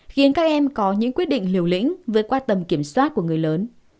khiến các em có những quyết định liều lĩnh với qua tầm kiểm soát của người lớn